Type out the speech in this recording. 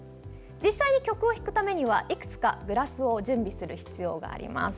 実際に曲を弾くためにはいくつかグラスを準備する必要があります。